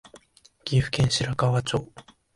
岐阜県白川町